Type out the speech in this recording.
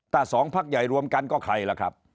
ถ้าสองพักใหญ่รวมกันก็ใครล่ะครับ